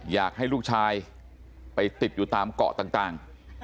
อยากให้ลูกชายไปติดอยู่ตามเกาะต่าง